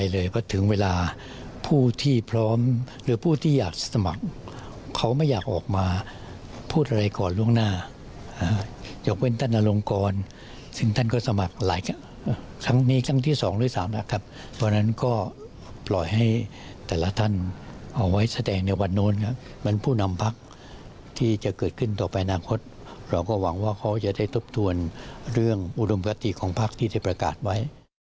เราก็หวังว่าเขาจะได้ทบทวนเรื่องอุรมกฎิของพักที่ได้ประกาศไว้